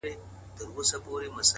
پوليس کور ته راځي او پلټنه پيلوي ژر,